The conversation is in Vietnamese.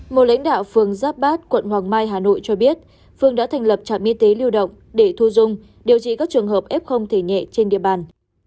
một lãnh đạo phường giáp bát quận hoàng mai hà nội cho biết phương đã thành lập trạm y tế lưu động để thu dung điều trị các trường hợp f thể nhẹ trên địa bàn